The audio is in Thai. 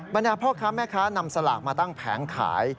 บรรดาพ่อค้าแม่ค้านำสลากมาตั้งแผงขาย